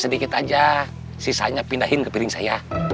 bet cctv ini men tim cup